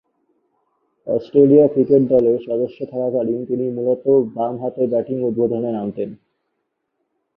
Australia cricket দলের সদস্য থাকাকালীন তিনি মূলতঃ বামহাতে ব্যাটিং উদ্বোধনে নামতেন।